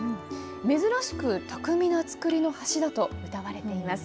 珍しく巧みな造りの橋だとうたわれています。